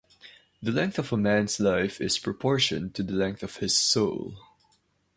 The length of a man's life is proportioned to the length of his soul.